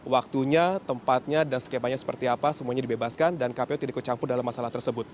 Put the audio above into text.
waktunya tempatnya dan skemanya seperti apa semuanya dibebaskan dan kpu tidak ikut campur dalam masalah tersebut